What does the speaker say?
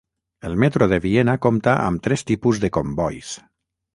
El metro de Viena compta amb tres tipus de combois.